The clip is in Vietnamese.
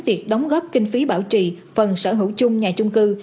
việc đóng góp kinh phí bảo trì phần sở hữu chung nhà chung cư